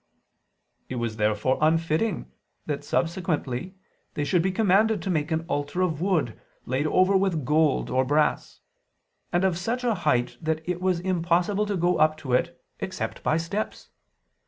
It was therefore unfitting that subsequently they should be commanded to make an altar of wood laid over with gold or brass; and of such a height that it was impossible to go up to it except by steps.